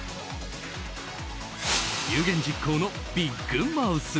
有言実行のビッグマウス。